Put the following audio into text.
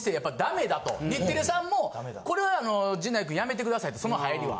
日テレさんもこれは陣内君やめてくださいとその入りは。